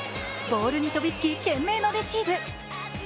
ボールに飛びつき懸命のレシーブ。